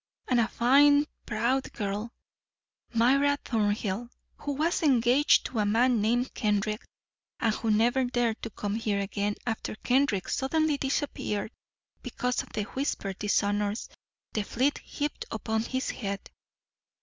And a fine proud girl, Myra Thornhill, who was engaged to a man named Kendrick, and who never dared come here again after Kendrick suddenly disappeared, because of the whispered dishonors the fleet heaped upon his head."